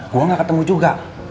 gue gak ketemu juga